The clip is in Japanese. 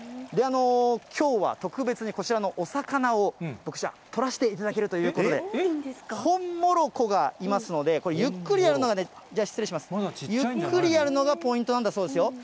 きょうは特別にこちらのお魚を、僕、じゃあ、取らせていただけるということで、ホンモロコがいますので、これ、ゆっくりやるのがね、では失礼します、ゆっくりやるのがポイントなんだそうですよ。